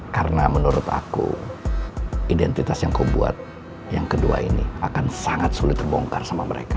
karena menurut aku identitas yang kau buat yang kedua ini akan sangat sulit terbongkar sama mereka